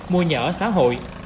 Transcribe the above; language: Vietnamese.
mua nhà ở xã hội